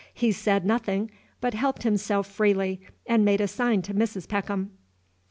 He said nothing, but helped himself freely, and made a sign to Mrs. Peckham.